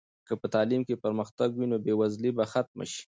که په تعلیم کې پرمختګ وي نو بې وزلي به ختمه سي.